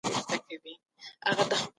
اقتصاد به ښه کېږي او خلګ به بوخت وي.